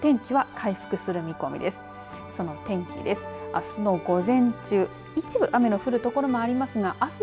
あすの午前中、一部、雨の降る所もありますがあす